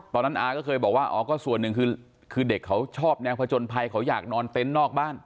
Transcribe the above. อาก็เคยบอกว่าอ๋อก็ส่วนหนึ่งคือเด็กเขาชอบแนวผจญภัยเขาอยากนอนเต็นต์นอกบ้าน